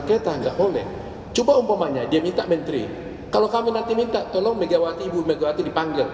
kalau mau dikabulkan menteri kami juga gak bisa minta tolong ibu megawati dipanggil